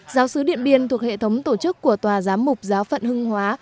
giáo sứ điện biên thuộc hệ thống tổ chức của tòa giám mục giáo phận hưng hóa